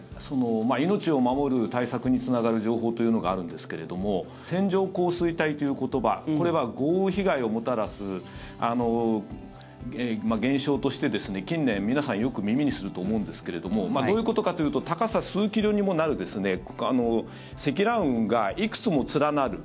命を守る対策につながる情報というのがあるんですが線状降水帯という言葉これは豪雨被害をもたらす現象としてですね近年、皆さん、よく耳にすると思うんですけれどもどういうことかというと高さ数キロにもなる積乱雲がいくつも連なる。